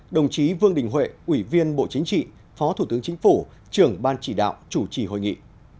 đồng chí vương đình huệ ủy viên bộ chính trị phó thủ tướng chính phủ trưởng ban chỉ đạo chủ trì hội nghị